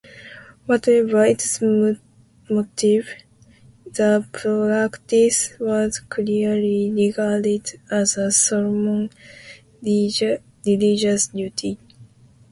Whatever its motive, the practice was clearly regarded as a solemn religious duty.